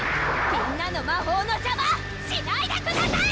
みんなの魔法の邪魔しないでください！